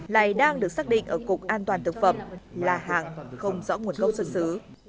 lại đang được xác định ở cục an toàn thực phẩm là hàng không rõ nguồn gốc xuất xứ